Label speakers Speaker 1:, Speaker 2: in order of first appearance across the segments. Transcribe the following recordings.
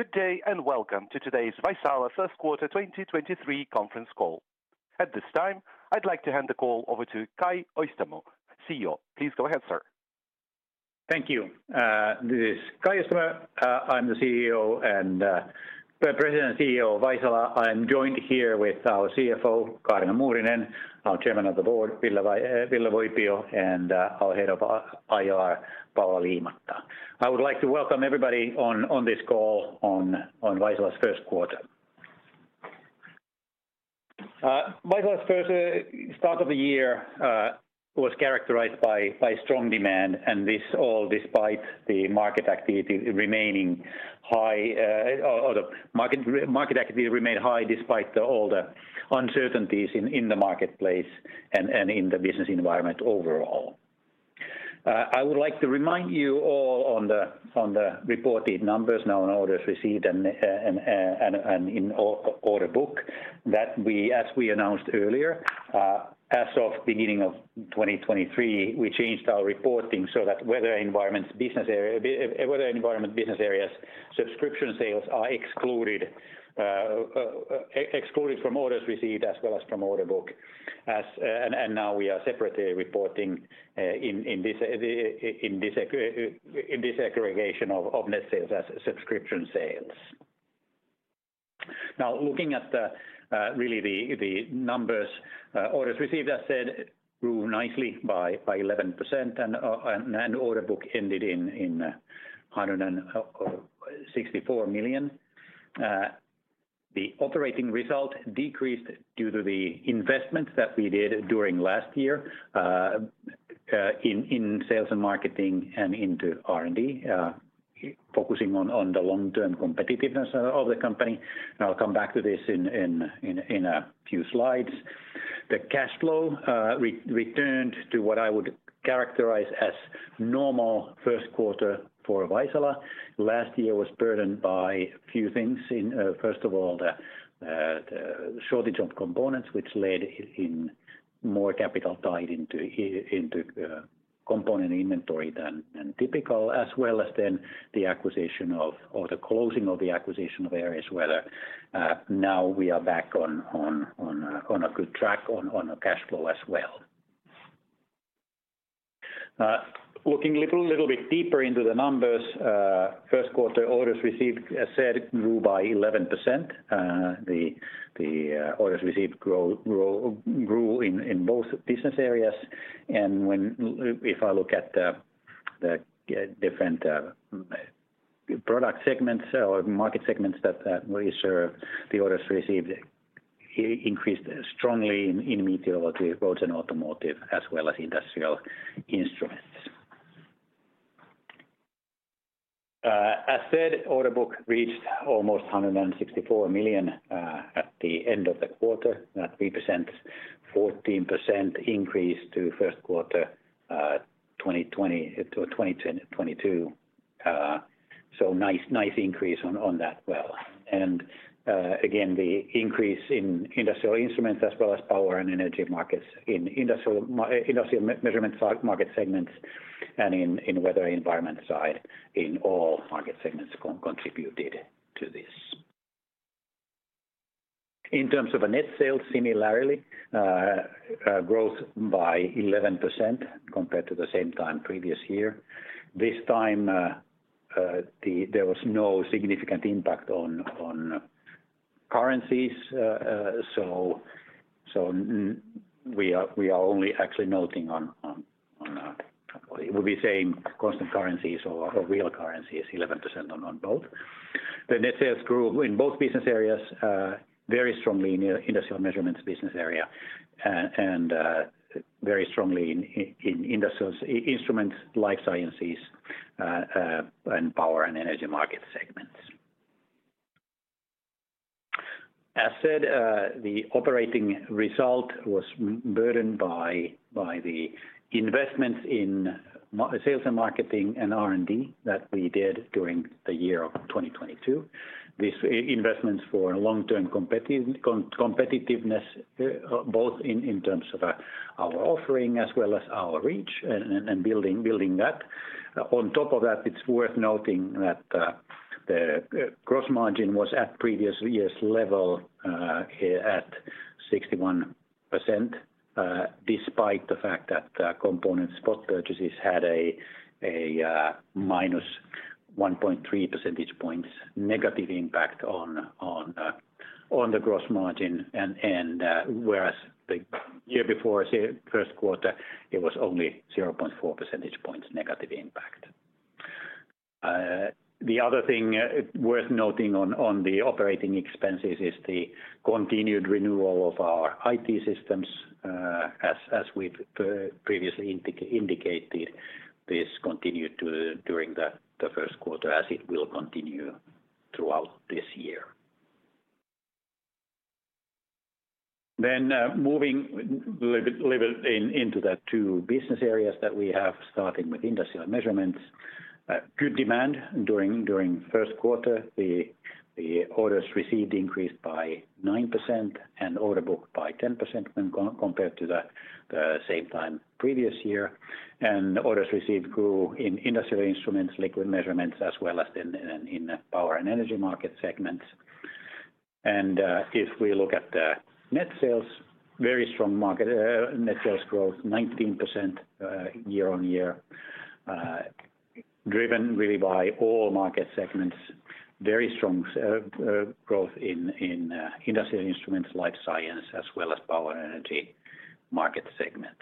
Speaker 1: Good day, and welcome to today's Vaisala first quarter 2023 conference call. At this time, I'd like to hand the call over to Kai Öistämö, CEO. Please go ahead, sir.
Speaker 2: Thank you. This is Kai Öistämö. I'm the CEO and President and CEO of Vaisala. I'm joined here with our CFO, Kaarina Muurinen, our Chairman of the Board, Ville Voipio, and our Head of IR, Paula Liimatta. I would like to welcome everybody on this call on Vaisala's first quarter. Vaisala's first start of the year was characterized by strong demand, and this all despite the market activity remaining high, or the market activity remained high despite all the uncertainties in the marketplace and in the business environment overall. I would like to remind you all on the reported numbers now on orders received and in order book that we, as we announced earlier, as of beginning of 2023, we changed our reporting so that Weather and Environment business areas, subscription sales are excluded from orders received as well as from order book. Now we are separately reporting in this aggregation of net sales as subscription sales. Now, looking at the really the numbers, orders received, as said, grew nicely by 11% and order book ended in 164 million. The operating result decreased due to the investments that we did during last year, in sales and marketing and into R&D, focusing on the long-term competitiveness of the company. I'll come back to this in a few slides. The cash flow returned to what I would characterize as normal first quarter for Vaisala. Last year was burdened by a few things in, first of all, the shortage of components which led in more capital tied into component inventory than typical, as well as then the acquisition of, or the closing of the acquisition of AerisWeather. Now we are back on a good track on a cash flow as well. Looking little bit deeper into the numbers, first quarter orders received, as said, grew by 11%. The orders received grew in both business areas. When I look at the different product segments or market segments that we serve, the orders received increased strongly in meteorology, roads and automotive, as well as industrial instruments. As said, order book reached almost 164 million EUR at the end of the quarter, at 3%, 14% increase to first quarter 2022. Nice increase on that well. Again, the increase in industrial instruments as well as power and energy markets in Industrial Measurements market segments and in Weather and Environment side in all market segments contributed to this. In terms of a net sales, similarly, growth by 11% compared to the same time previous year. This time, there was no significant impact on currencies. We are only actually noting on, it will be same constant currencies or real currencies, 11% on both. The net sales grew in both business areas, very strongly in Industrial Measurements business area, and very strongly in industrial instruments, life science, and power and energy market segments. As said, the operating result was burdened by the investments in sales and marketing and R&D that we did during the year of 2022. These investments for long-term competitiveness, both in terms of our offering as well as our reach and building that. On top of that, it's worth noting that the gross margin was at previous years level, at 61%, despite the fact that component spot purchases had a minus 1.3 percentage points negative impact on the gross margin and whereas the year before, say first quarter, it was only 0.4 percentage points negative impact. The other thing worth noting on the operating expenses is the continued renewal of our IT systems, as we've previously indicated, this continued during the first quarter as it will continue throughout this year. Moving little bit into the two business areas that we have, starting with Industrial Measurements. Good demand during first quarter. The orders received increased by 9% and order book by 10% compared to the same time previous year. Orders received grew in Industrial Instruments, Liquid Measurements, as well as in Power and Energy market segments. If we look at the net sales, very strong net sales growth 19% year-on-year. Driven really by all market segments. Very strong growth in Industrial Instruments, Life Science, as well as Power and Energy market segments.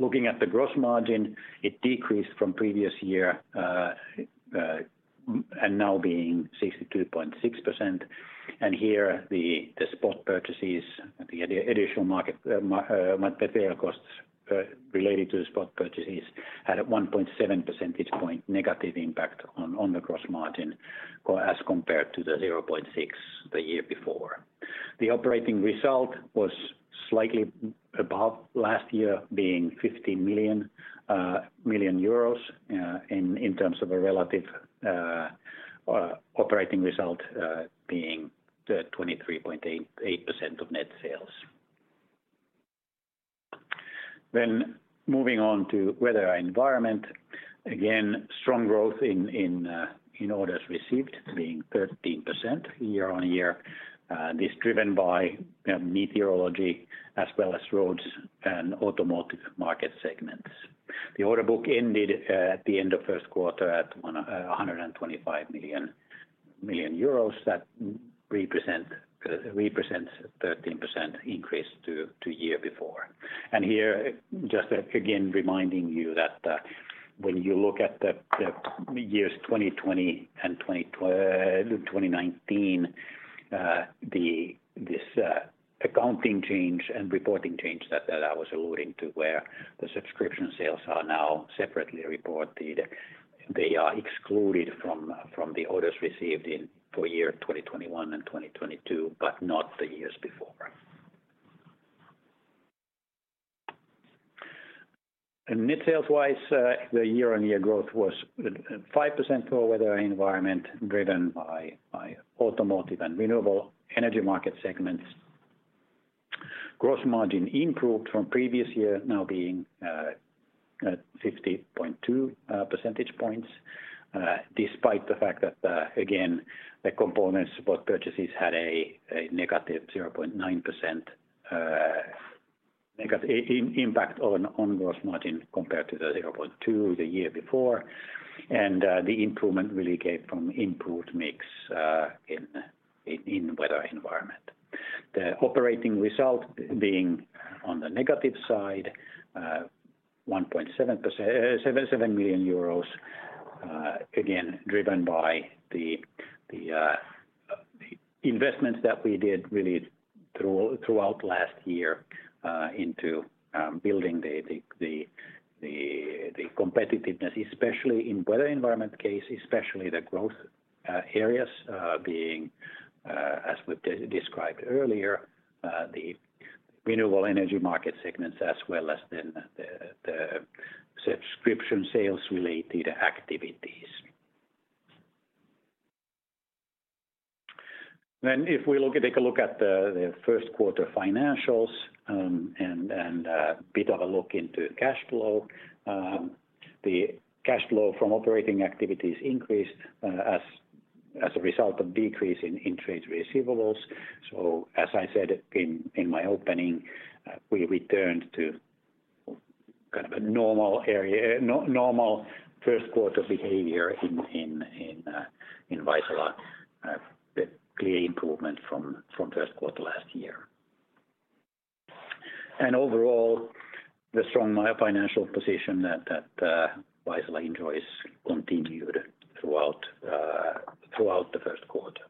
Speaker 2: Looking at the gross margin, it decreased from previous year, now being 62.6%. Here, the spot purchases, the additional market, material costs related to the spot purchases had a 1.7 percentage point negative impact on the gross margin, or as compared to the 0.6 the year before. The operating result was slightly above last year, being 50 million euros in terms of a relative operating result, being the 23.8% of net sales. Moving on to Weather and Environment. Again, strong growth in orders received being 13% year-on-year. This driven by meteorology as well as roads and automotive market segments. The order book ended at the end of first quarter at 125 million euros that represents 13% increase to year before. Here, just again, reminding you that when you look at the years 2020 and 2019, the this accounting change and reporting change that I was alluding to, where the subscription sales are now separately reported. They are excluded from the orders received in for year 2021 and 2022, but not the years before. Net sales wise, the year-on-year growth was 5% for Weather and Environment driven by automotive and renewable energy market segments. Gross margin improved from previous year now being 50.2 percentage points, despite the fact that again, the components of both purchases had a negative 0.9% impact on gross margin compared to the 0.2 the year before. The improvement really came from improved mix in Weather and Environment. The operating result being on the negative side, 1.7 million euros, again, driven by the investments that we did really throughout last year, into building the competitiveness, especially in Weather and Environment case, especially the growth areas, being as we described earlier, the renewable energy market segments as well as then the subscription sales-related activities. Take a look at the first quarter financials, and a bit of a look into cash flow. The cash flow from operating activities increased as a result of decrease in trade receivables. As I said in my opening, we returned to kind of a normal first quarter behavior in Vaisala. Overall, the strong financial position that Vaisala enjoys continued throughout the first quarter.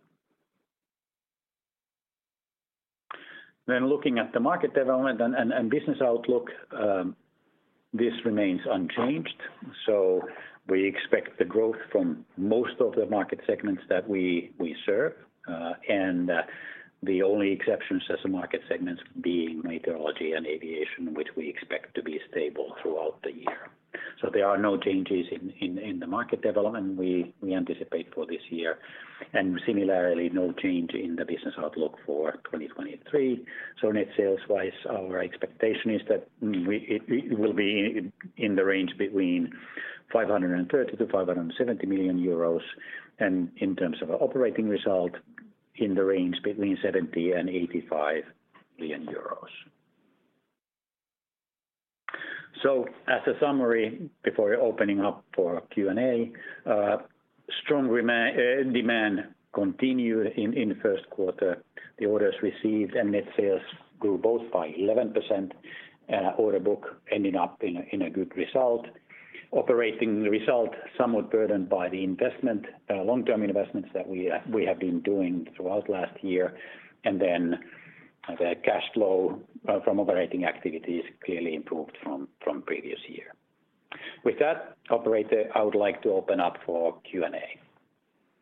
Speaker 2: Looking at the market development and business outlook, this remains unchanged. We expect the growth from most of the market segments that we serve. The only exceptions as the market segments being meteorology and aviation, which we expect to be stable throughout the year. There are no changes in the market development we anticipate for this year. Similarly, no change in the business outlook for 2023. Net sales wise, our expectation is that It will be in the range between 530 million and 570 million euros. In terms of operating result, in the range between 70 million and 85 million euros. As a summary, before opening up for Q&A, strong demand continued in the first quarter. The orders received and net sales grew both by 11%. Order book ending up in a good result. Operating result somewhat burdened by the long-term investments that we have been doing throughout last year. The cash flow from operating activities clearly improved from previous year. With that, operator, I would like to open up for Q&A.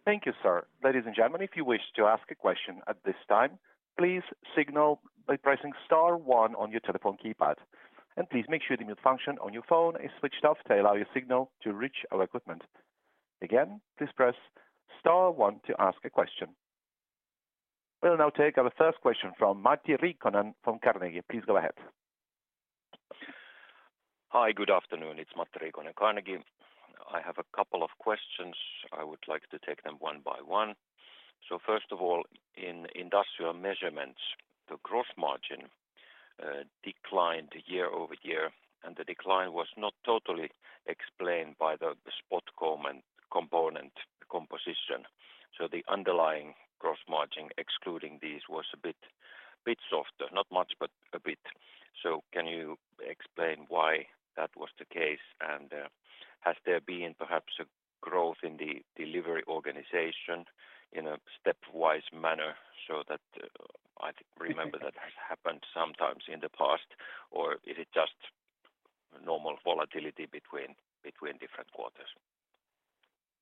Speaker 1: Thank you, sir. Ladies and gentlemen, if you wish to ask a question at this time, please signal by pressing star one on your telephone keypad. Please make sure the mute function on your phone is switched off to allow your signal to reach our equipment. Again, please press star one to ask a question. We'll now take our first question from Matti Rikkola from Carnegie. Please go ahead.
Speaker 3: Hi, good afternoon. It's Matti Rikkola, Carnegie. I have a couple of questions. I would like to take them one by one. first of all, in Industrial Measurements, the gross margin declined year-over-year, and the decline was not totally explained by the spot component composition. The underlying gross margin, excluding these, was a bit softer. Not much, but a bit. Can you explain why that was the case? Has there been perhaps a growth in the delivery organization in a stepwise manner so that I think remember that has happened sometimes in the past? Is it just normal volatility between different quarters?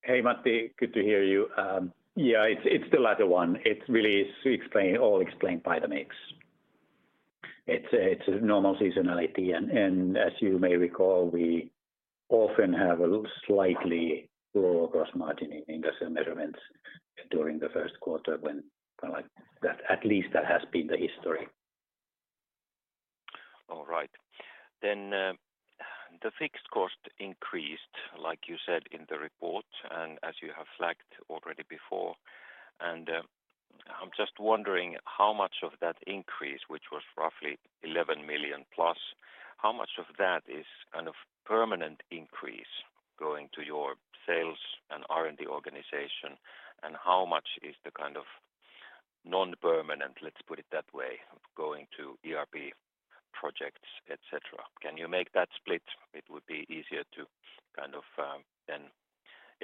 Speaker 2: Hey, Matti. Good to hear you. Yeah, it's the latter one. It really is explained, all explained by the mix. It's a, it's a normal seasonality. As you may recall, we often have a slightly lower gross margin in Industrial Measurements during the first quarter when, like that, at least that has been the history.
Speaker 3: All right. The fixed cost increased, like you said in the report, and as you have flagged already before. I'm just wondering how much of that increase, which was roughly 11 million plus, how much of that is kind of permanent increase going to your sales and R&D organization, and how much is the kind of non-permanent, let's put it that way, going to ERP projects, et cetera? Can you make that split? It would be easier to kind of,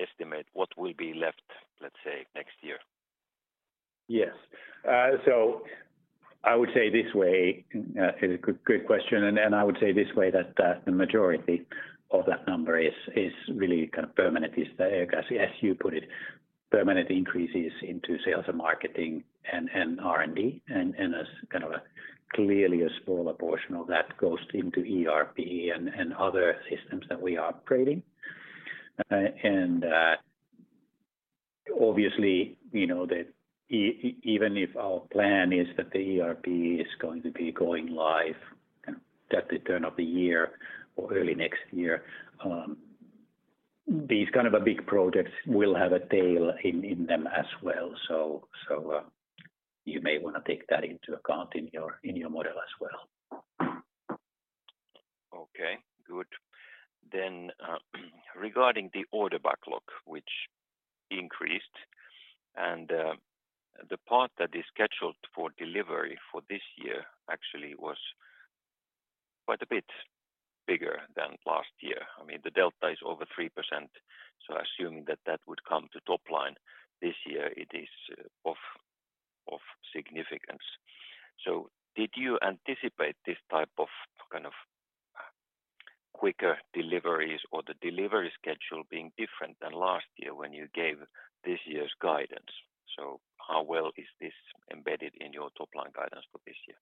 Speaker 3: estimate what will be left, let's say, next year.
Speaker 2: Yes. I would say this way, it's a good question, and then I would say this way that the majority of that number is really kind of permanent, is, as you put it, permanent increases into sales and marketing and R&D. As kind of a clearly a small portion of that goes into ERP and other systems that we are upgrading. Obviously, you know that even if our plan is that the ERP is going to be going live at the turn of the year or early next year, these kind of a big projects will have a tail in them as well. You may wanna take that into account in your, in your model as well.
Speaker 3: Okay, good. Regarding the order backlog, which increased, and, the part that is scheduled for delivery for this year actually was quite a bit bigger than last year. I mean, the delta is over 3%, assuming that that would come to top line this year, it is of significance. Did you anticipate this type of kind of quicker deliveries or the delivery schedule being different than last year when you gave this year's guidance? How well is this embedded in your top line guidance for this year?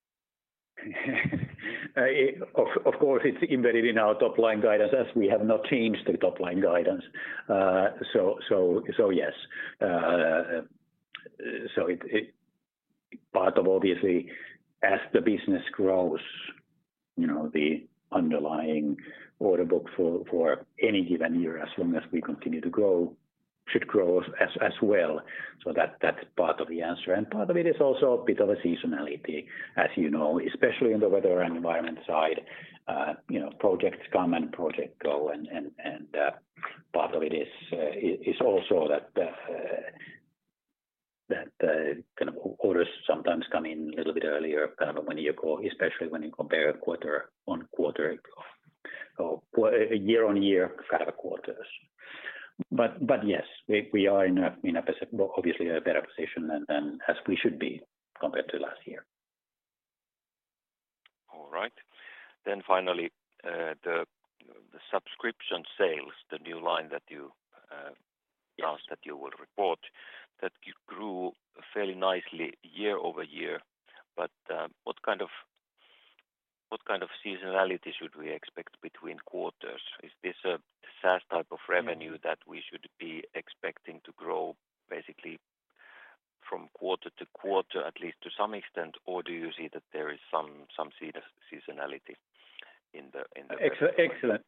Speaker 2: Of course, it's embedded in our top line guidance as we have not changed the top line guidance. Yes. It. Part of, obviously, as the business grows, you know, the underlying order book for any given year, as long as we continue to grow, should grow as well. That's part of the answer. Part of it is also a bit of a seasonality, as you know, especially in the Weather and Environment side, you know, projects come and project go. Part of it is also that kind of orders sometimes come in a little bit earlier, kind of when you go, especially when you compare quarter-on-quarter of, or a year-on-year kind of quarters. Yes, we are obviously a better position than as we should be compared to last year.
Speaker 3: All right. Finally, the subscription sales, the new line that you announced that you will report, that grew fairly nicely year-over-year. What kind of seasonality should we expect between quarters? Is this a SaaS type of revenue that we should be expecting to grow basically from quarter to quarter, at least to some extent? Do you see that there is some seasonality in the
Speaker 2: Excellent.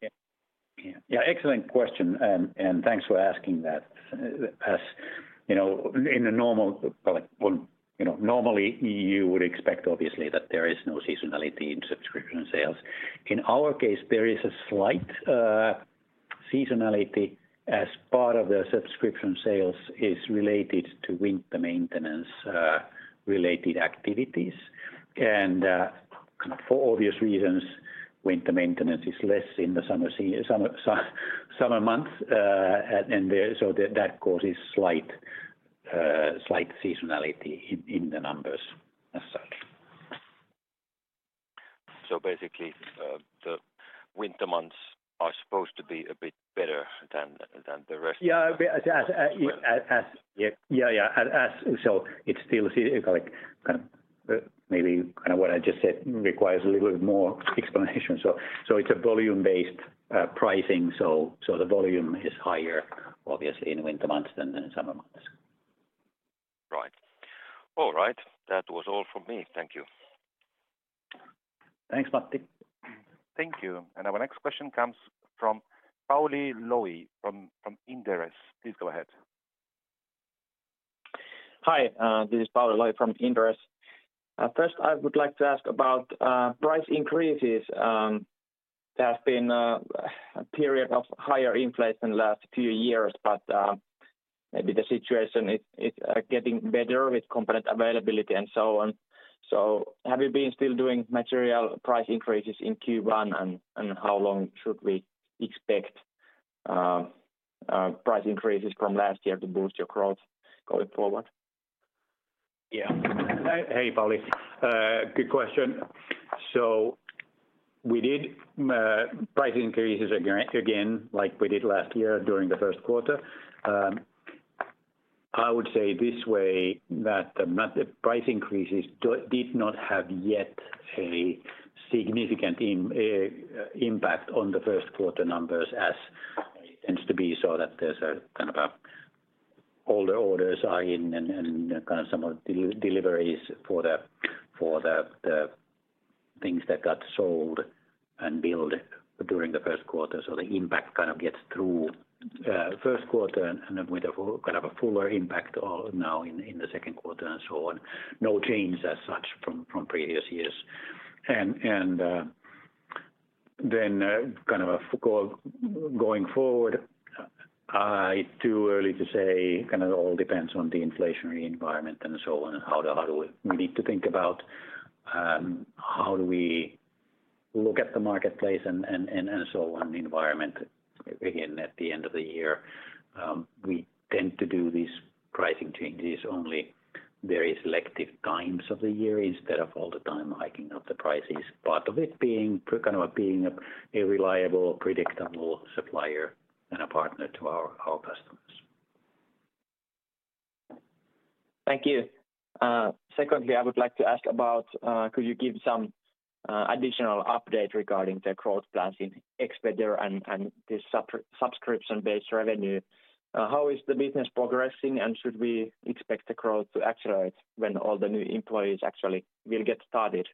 Speaker 2: Yeah, excellent question, thanks for asking that. As you know, in a normal, like, well, you know, normally, you would expect, obviously, that there is no seasonality in subscription sales. In our case, there is a slight seasonality as part of the subscription sales is related to winter maintenance related activities. Kind of for obvious reasons, winter maintenance is less in the summer months. That causes slight seasonality in the numbers as such.
Speaker 3: Basically, the winter months are supposed to be a bit better than the rest of.
Speaker 2: Yeah. Like, maybe kind of what I just said requires a little bit more explanation. It's a volume-based pricing. The volume is higher, obviously, in winter months than summer months.
Speaker 4: All right. That was all from me. Thank you.
Speaker 2: Thanks, Matti.
Speaker 1: Thank you. Our next question comes from Pauli Lohi from Inderes. Please go ahead.
Speaker 5: Hi, this is Pauli Lohi from Inderes. I would like to ask about price increases. There have been a period of higher inflation last few years, maybe the situation is getting better with component availability and so on. Have you been still doing material price increases in Q1? How long should we expect price increases from last year to boost your growth going forward?
Speaker 2: Yeah. Hey, Pauli. Good question. We did price increases again, like we did last year during the first quarter. I would say this way that the price increases did not have yet a significant impact on the first quarter numbers, as tends to be so that there's a kind of a older orders are in and kind of some of the deliveries for the, for the things that got sold and billed during the first quarter. The impact kind of gets through first quarter and with a kind of a fuller impact now in the second quarter and so on. No change as such from previous years. Kind of going forward, it's too early to say, kinda all depends on the inflationary environment and so on, how do we need to think about, how do we look at the marketplace and so on, the environment again at the end of the year. We tend to do these pricing changes only very selective times of the year instead of all the time hiking up the prices. Part of it being kind of being a reliable, predictable supplier and a partner to our customers.
Speaker 5: Thank you. Secondly, I would like to ask about. Could you give some additional update regarding the growth plans in Xweather and the subscription-based revenue? How is the business progressing, and should we expect the growth to accelerate when all the new employees actually will get started?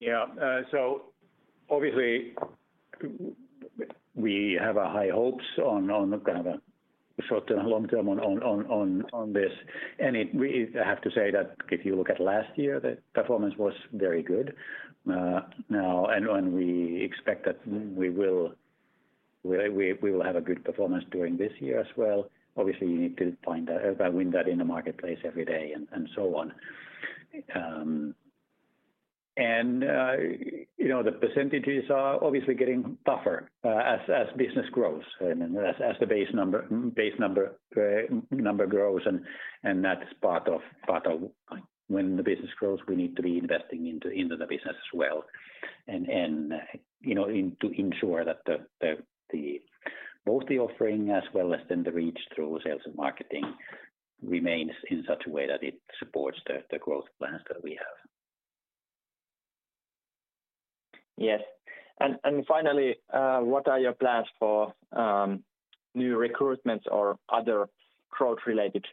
Speaker 2: Yeah. Obviously we have high hopes on kind of a short-term, long-term on this. We have to say that if you look at last year, the performance was very good. Now and when we expect that we will have a good performance during this year as well. Obviously, you need to find win that in the marketplace every day and so on. You know, the percentages are obviously getting tougher as business grows and as the base number grows. That's part of when the business grows, we need to be investing into the business as well. You know, in to ensure that the, both the offering as well as then the reach through sales and marketing remains in such a way that it supports the growth plans that we have.
Speaker 5: Yes. And finally, what are your plans for new recruitments or other growth-related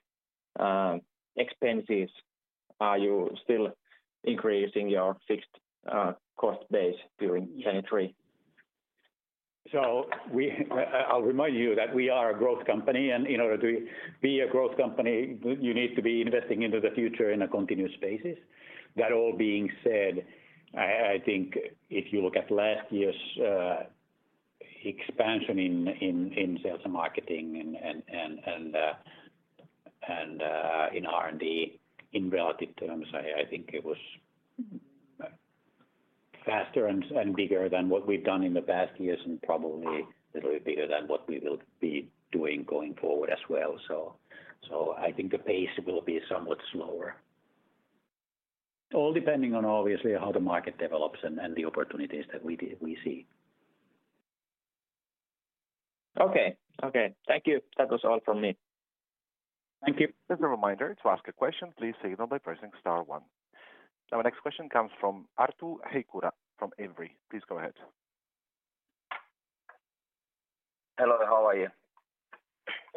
Speaker 5: expenses? Are you still increasing your fixed cost base during 23?
Speaker 2: I'll remind you that we are a growth company, and in order to be a growth company, you need to be investing into the future in a continuous basis. That all being said, I think if you look at last year's expansion in sales and marketing and in R&D in relative terms, I think it was faster and bigger than what we've done in the past years and probably little bigger than what we will be doing going forward as well. I think the pace will be somewhat slower, all depending on obviously how the market develops and the opportunities that we see.
Speaker 5: Okay. Okay. Thank you. That was all from me.
Speaker 2: Thank you.
Speaker 1: Just a reminder, to ask a question, please signal by pressing star one. Our next question comes from Arttu Heikilä from Evli. Please go ahead.
Speaker 4: Hello, how are you?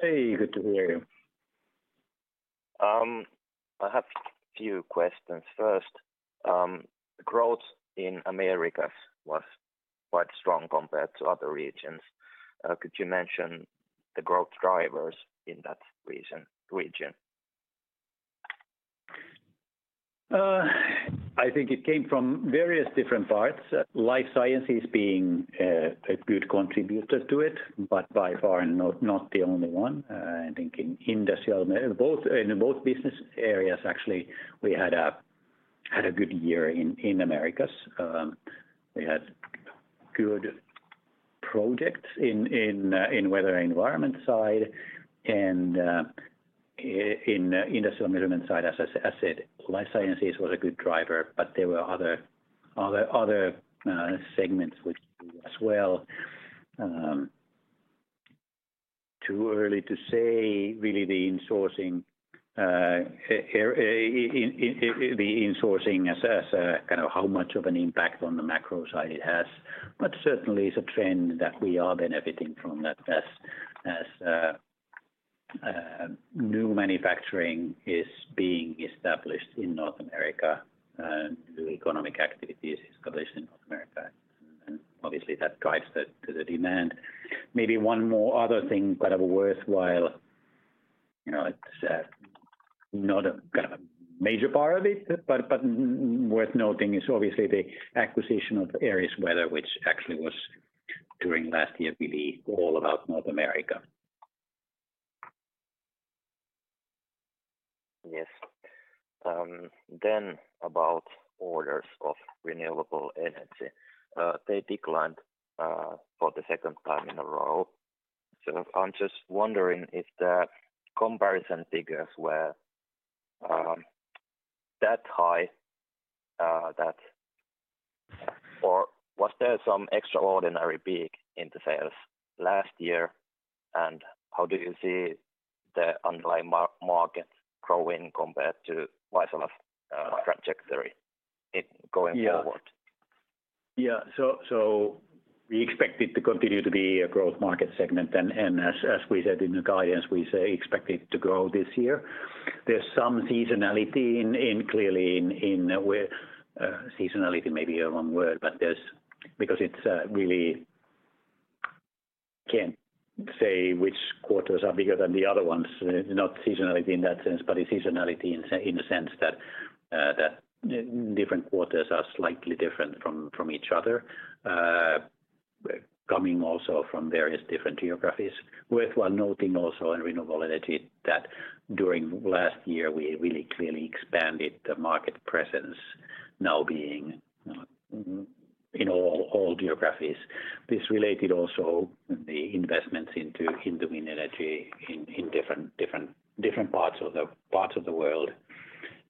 Speaker 2: Hey, good to hear you.
Speaker 4: I have few questions. First, growth in Americas was quite strong compared to other regions. Could you mention the growth drivers in that region?
Speaker 2: I think it came from various different parts. Life Science being a good contributor to it, but by far not the only one. I think in both business areas, actually, we had a good year in Americas. We had good projects in Weather and Environment side and in the Industrial Measurements side. As I said, Life Science was a good driver, but there were other segments which grew as well. Too early to say really the insourcing as kind of how much of an impact on the macro side it has. Certainly it's a trend that we are benefiting from that as new manufacturing is being established in North America, and new economic activity is established in North America. Obviously, that drives the demand. Maybe one more other thing, kind of worthwhile, you know, it's, not a, kind of a major part of it, but worth noting is obviously the acquisition of AerisWeather, which actually was during last year, believe all about North America.
Speaker 4: Yes. About orders of renewable energy. They declined for the second time in a row. I'm just wondering if the comparison figures were that high, that, or was there some extraordinary peak in the sales last year? How do you see the underlying market growing compared to Vaisala, trajectory it going forward?
Speaker 2: Yeah. Yeah. We expect it to continue to be a growth market segment. As we said in the guidance, we say expect it to grow this year. There's some seasonality in clearly in where, seasonality may be a wrong word, but there's. Because it's, really can't say which quarters are bigger than the other ones. Not seasonality in that sense, but a seasonality in the sense that different quarters are slightly different from each other, coming also from various different geographies. Worthwhile noting also in Renewable Energy that during last year, we really clearly expanded the market presence now being in all geographies. This related also the investments into wind energy in different parts of the world,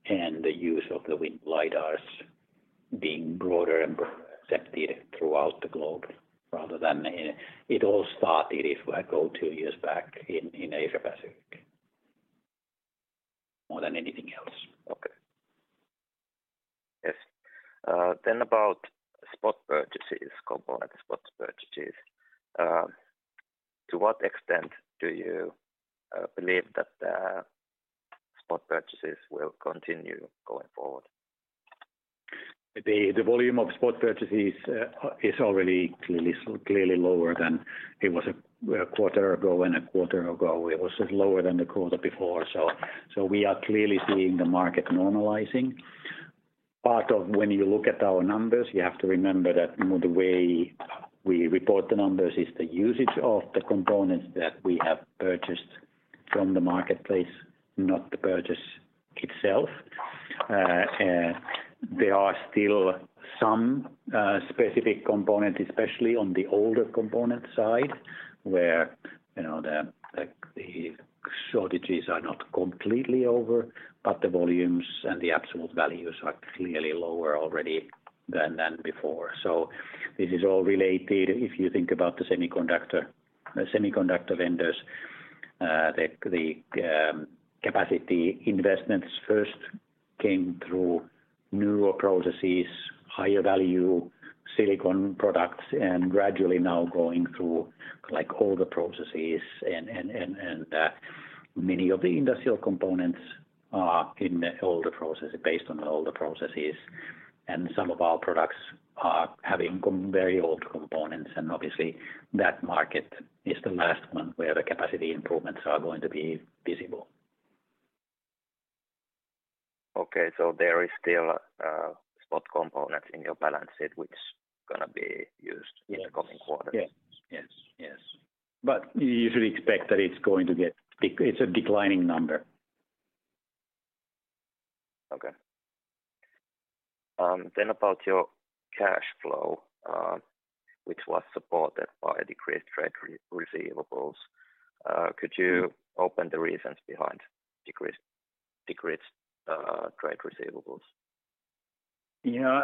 Speaker 2: and the use of the wind lidars being broader and accepted throughout the globe rather than, it all started, if I go two years back, in Asia-Pacific more than anything else.
Speaker 4: Okay. Yes. About spot purchases, component spot purchases. To what extent do you, believe that the spot purchases will continue going forward?
Speaker 2: The volume of spot purchases is already clearly lower than it was a quarter ago and a quarter ago. It was just lower than the quarter before. We are clearly seeing the market normalizing. Part of when you look at our numbers, you have to remember that, you know, the way we report the numbers is the usage of the components that we have purchased from the marketplace, not the purchase itself. There are still some specific component, especially on the older component side, where, you know, like the shortages are not completely over, but the volumes and the absolute values are clearly lower already than before. This is all related, if you think about the semiconductor vendors, the capacity investments first came through newer processes, higher value silicon products, and gradually now going through like older processes and many of the industrial components are in the older process, based on the older processes. Some of our products are having very old components, and obviously that market is the last one where the capacity improvements are going to be visible.
Speaker 4: Okay. There is still spot components in your balance sheet which gonna be used-
Speaker 2: Yes.
Speaker 4: in the coming quarters?
Speaker 2: Yes. Yes, yes. You should expect that it's a declining number.
Speaker 4: Okay. About your cash flow, which was supported by decreased trade receivables. Could you open the reasons behind decreased trade receivables?
Speaker 2: Yeah.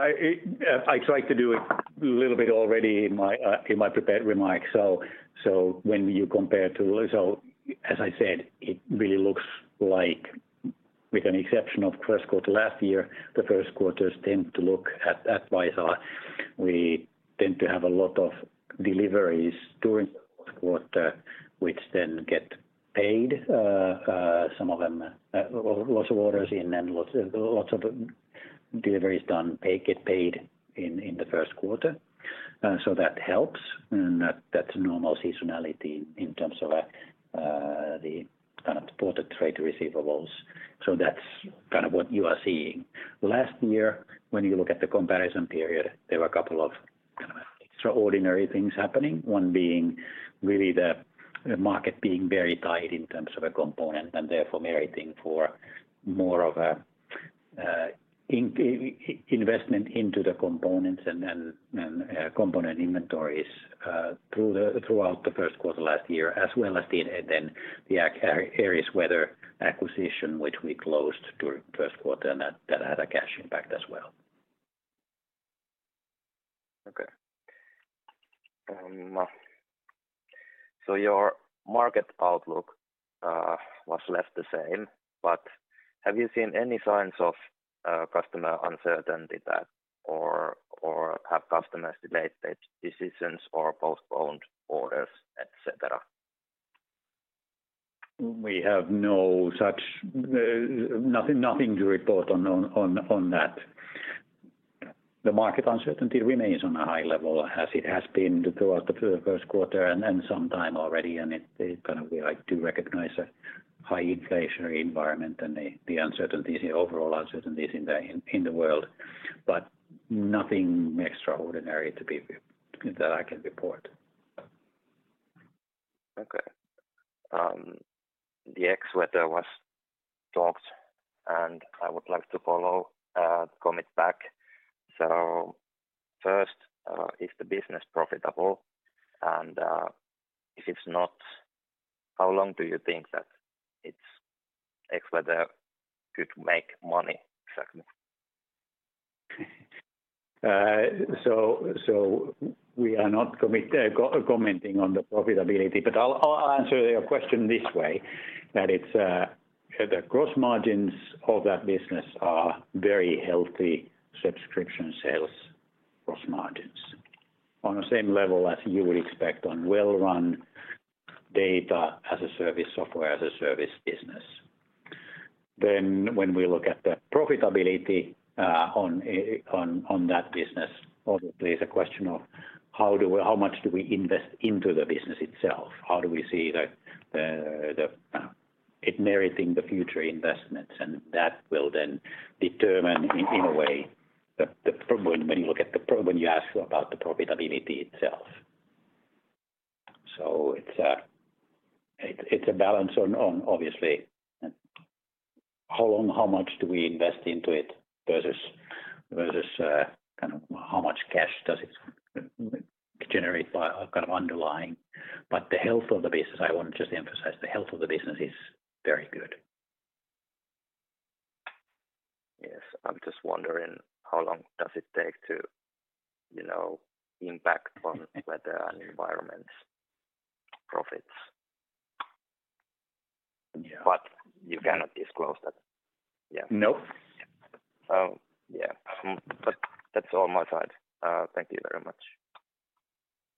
Speaker 2: I tried to do it a little bit already in my prepared remarks. When you compare to result, as I said, it really looks like with an exception of first quarter last year, the first quarters tend to look at Vaisala. We tend to have a lot of deliveries during the first quarter, which then get paid. some of them, lots of orders in and lots of deliveries done, get paid in the first quarter. That helps. That's normal seasonality in terms of the kind of supported trade receivables. That's kind of what you are seeing. Last year, when you look at the comparison period, there were a couple of kind of extraordinary things happening. One being really the market being very tight in terms of a component, and therefore meriting for more of a investment into the components and component inventories throughout the first quarter last year. The AerisWeather acquisition, which we closed during first quarter, and that had a cash impact as well.
Speaker 4: Okay. Your market outlook was left the same. Have you seen any signs of customer uncertainty that or have customers delayed their decisions or postponed orders, et cetera?
Speaker 2: We have no such nothing to report on that. The market uncertainty remains on a high level as it has been throughout the first quarter and some time already, and it kind of we like to recognize a high inflationary environment and the uncertainties, the overall uncertainties in the world. Nothing extraordinary that I can report.
Speaker 4: Okay. The Xweather was talked. I would like to follow comment back. First, is the business profitable? If it's not, how long do you think that it's Xweather could make money exactly?
Speaker 2: So we are not commenting on the profitability, but I'll answer your question this way, that it's the gross margins of that business are very healthy subscription sales gross margins. On the same level as you would expect on well-run Data as a Service, Software as a Service business. Then when we look at the profitability on that business, obviously it's a question of how much do we invest into the business itself? How do we see the it meriting the future investments? And that will then determine in a way the profitability. When you look at the profitability. When you ask about the profitability itself. It's a balance on obviously how long, how much do we invest into it versus kind of how much cash does it generate by kind of underlying. The health of the business, I want to just emphasize, the health of the business is very good.
Speaker 4: Yes. I'm just wondering how long does it take to, you know, impact on Weather and Environment profits?
Speaker 2: Yeah.
Speaker 4: You cannot disclose that. Yeah.
Speaker 2: No.
Speaker 4: yeah. That's all my side. Thank you very much.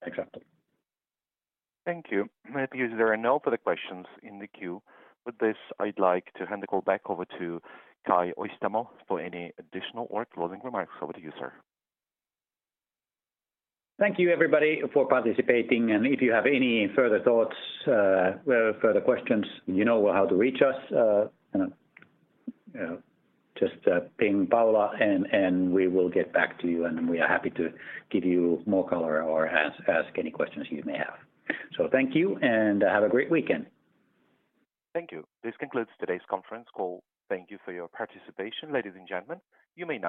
Speaker 2: Exactly.
Speaker 1: Thank you. Because there are no further questions in the queue, with this, I'd like to hand the call back over to Kai Öistämö for any additional or closing remarks. Over to you, sir.
Speaker 2: Thank you, everybody, for participating. If you have any further thoughts, or further questions, you know how to reach us. kind of, just, ping Paula, and we will get back to you, and we are happy to give you more color or ask any questions you may have. Thank you, and have a great weekend.
Speaker 1: Thank you. This concludes today's conference call. Thank you for your participation, ladies and gentlemen. You may now disconnect.